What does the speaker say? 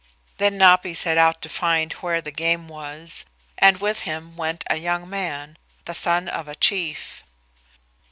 Then Napi set out to find where the game was, and with him went a young man, the son of a chief.